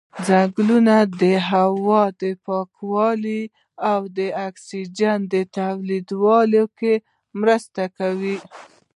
ځنګلونه د هوا د پاکولو او د اکسیجن تولیدولو کې مرسته کوي.